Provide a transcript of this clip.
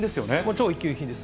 超一級品です。